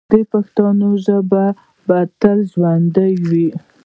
د پښتنو ژبه به تل ژوندی وي.